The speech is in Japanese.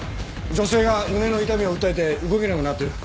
女性が胸の痛みを訴えて動けなくなってる。